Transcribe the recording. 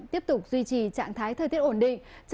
tiếp tục duy trì trạng thái thời tiết ổn định